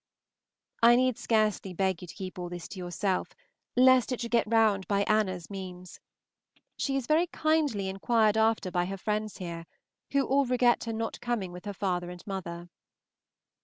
I need scarcely beg you to keep all this to yourself, lest it should get round by Anna's means. She is very kindly inquired after by her friends here, who all regret her not coming with her father and mother.